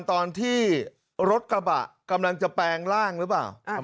ตอนที่รถกระบะกำลังจะแปลงร่างหรือเปล่า